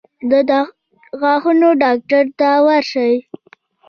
د غاښونو ډاکټر ته ورشئ